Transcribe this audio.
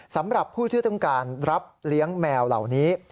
สำหรับผู้ที่ต้องการรับเลี้ยงแมวเหล่านี้